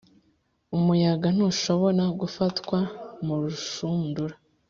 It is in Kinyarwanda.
umuyaga ntushobora gufatwa mu rushundura.